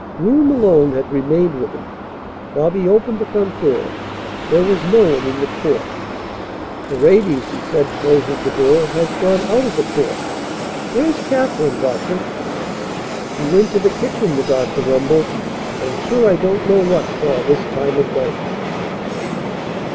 Groom alone had remained with him. Bobby opened the front door. There was no one in the court. "Paredes," he said, closing the door, "has gone out of the court. Where's Katherine, Doctor?" "She went to the kitchen," the doctor rumbled. "I'm sure I don't know what for this time of night."